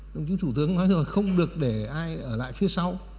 đồng chí thủ tướng nói rồi không được để ai ở lại phía sau